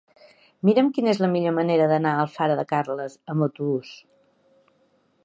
Mira'm quina és la millor manera d'anar a Alfara de Carles amb autobús.